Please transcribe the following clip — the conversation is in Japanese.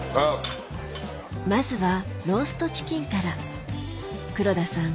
まずはローストチキンから黒田さん